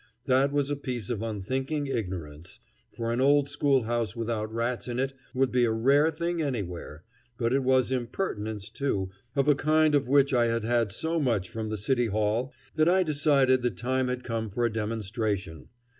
That was a piece of unthinking ignorance, for an old schoolhouse without rats in it would be a rare thing anywhere; but it was impertinence, too, of a kind of which I had had so much from the City Hall that I decided the time had come for a demonstration.